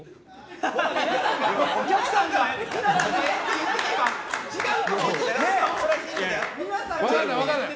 お客さんが今、えって。